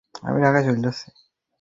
ওরা সব দেখছে।